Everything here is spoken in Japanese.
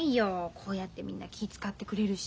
こうやってみんな気ぃ遣ってくれるし。